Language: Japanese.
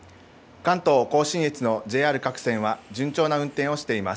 関東甲信越のＪＲ各線は、順調な運転をしています。